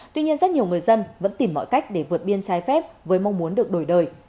tuy nhiên rất nhiều người dân vẫn tìm mọi cách để vượt biên trái phép với mong muốn được đổi đời